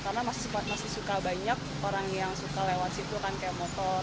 karena masih suka banyak orang yang suka lewat situ kan kayak motor